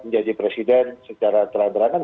menjadi presiden secara terang terangan